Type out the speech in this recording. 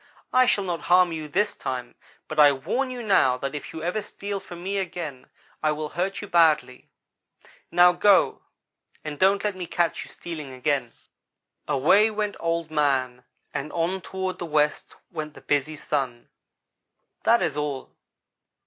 I shall not harm you this time, but I warn you now, that if you ever steal from me again, I will hurt you badly. Now go, and don't let me catch you stealing again!' "Away went Old man, and on toward the west went the busy Sun. That is all.